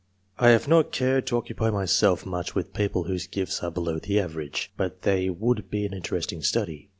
I have not cared to occupy myself much with people whose gifts are below the average, but they would be an interesting study.